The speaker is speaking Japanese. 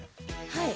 はい。